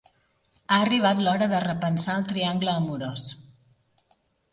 Ha arribat l'hora de repensar el triangle amorós.